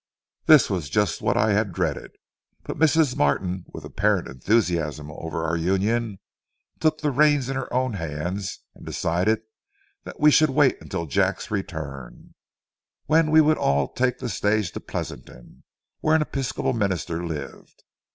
This was just what I had dreaded; but Mrs. Martin, with apparent enthusiasm over our union, took the reins in her own hands, and decided that we should wait until Jack's return, when we would all take the stage to Pleasanton, where an Episcopal minister lived.